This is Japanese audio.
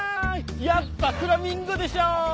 やっぱフラミンゴでしょう！